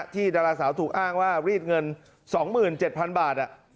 ดาราสาวถูกอ้างว่ารีดเงิน๒๗๐๐บาท